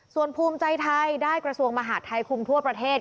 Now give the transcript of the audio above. ส่วนภูมิใจไทยได้กระทรวงมหาดไทยคุมทั่วประเทศ